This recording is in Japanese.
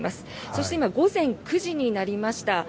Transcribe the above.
そして今、午前９時になりました。